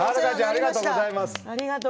ありがとうございます。